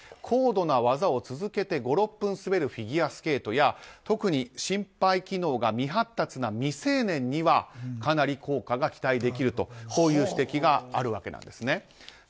高度な技を続けて５６分滑るフィギュアスケートや特に心肺機能が未発達な未成年には、かなり効果が期待できるという指摘があるわけなんです。